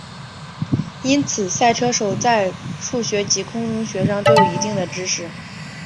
因此赛车手在数学及工程学上都有一定的知识。